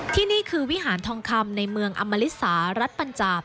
ที่นี่คือวิหารทองคำในเมืองอมริสารัฐปัญจาบ